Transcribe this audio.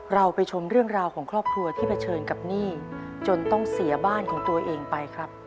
เราไปชมเรื่องราวของครอบครัวที่เผชิญกับหนี้จนต้องเสียบ้านของตัวเองไปครับ